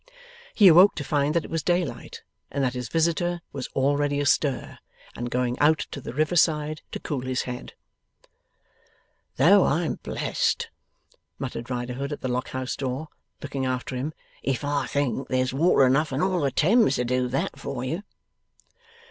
He awoke to find that it was daylight, and that his visitor was already astir, and going out to the river side to cool his head: 'Though I'm blest,' muttered Riderhood at the Lock house door, looking after him, 'if I think there's water enough in all the Thames to do THAT for you!